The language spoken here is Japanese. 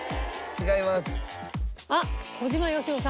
違います。